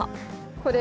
これ。